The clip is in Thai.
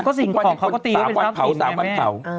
ก็สิ่งของเค้าก็ตีไว้เป็นส้มกลิ่นแม่แม่ครูยุสามวันเผา